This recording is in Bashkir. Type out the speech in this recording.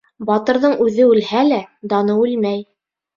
Батырҙың үҙе үлһә лә, даны үлмәй.